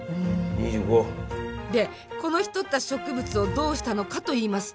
２５！でこの日採った植物をどうしたのかといいますと。